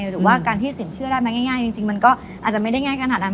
หรือว่าการที่สินเชื่อได้มาง่ายจริงมันก็อาจจะไม่ได้ง่ายขนาดนั้น